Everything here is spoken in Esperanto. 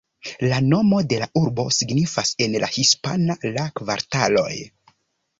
La nomo de la urbo signifas en la hispana "La kvartaloj".